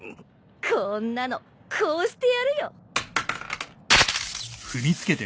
こんなのこうしてやるよ。